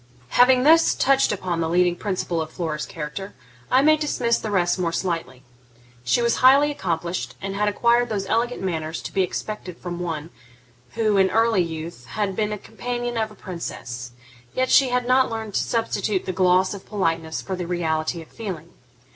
Having thus touched upon the leading principle of Flora's character, I may dismiss the rest more slightly. She was highly accomplished, and had acquired those elegant manners to be expected from one who, in early youth, had been the companion of a princess; yet she had not learned to substitute the gloss of politeness for the reality of feeling.